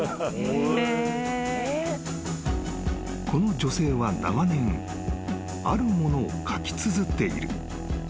［この女性は長年あるものを書きつづっている］